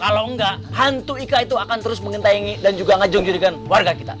kalau enggak hantu ika itu akan terus mengintai ingi dan juga ngejung jungi dengan warga kita